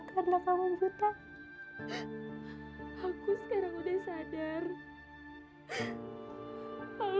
karena kamu buta aku sekarang udah sadar